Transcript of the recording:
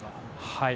はい。